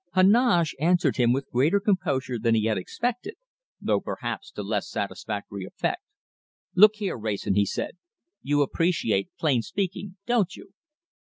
Heneage answered him with greater composure than he had expected, though perhaps to less satisfactory effect. "Look here, Wrayson," he said, "you appreciate plain speaking, don't you?"